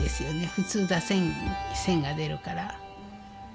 普通出せん線が出るから。